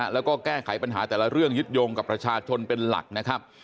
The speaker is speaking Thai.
แล้วก็แก้ไขปัญหาแต่ละเรื่องยึดโยงกับประชาชนเป็นหลักนะครับ